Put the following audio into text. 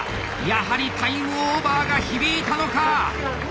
やはりタイムオーバーが響いたのか！